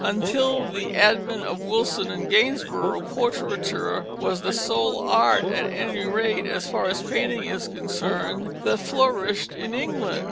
Until the advent of Wilson and Gainsborough, portraiture was the sole art, at any rate, as far as painting is concerned, that flourished in England.